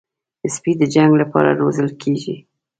سپي د جنګ لپاره هم روزل کېږي.